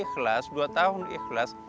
aku ikhlas dua tahun ikhlas